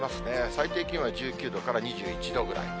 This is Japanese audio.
最低気温は１９度から２１度ぐらい。